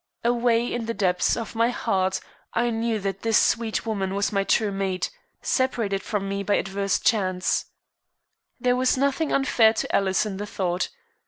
Away in the depths of my heart I knew that this sweet woman was my true mate, separated from me by adverse chance. There was nothing unfair to Alice in the thought.